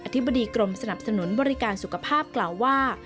ธิบดีกรมสนับสนุนบริการสุขภาพกล่าวว่า